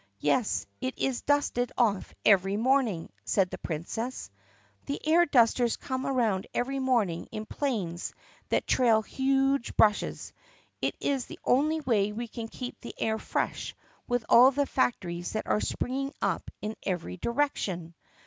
"Yes, it is dusted off every morning," said the Princess. "The air dusters come around every morning in 'planes that trail huge brushes. It is the only way we can keep the air fresh with all the factories that are springing up in every di rection."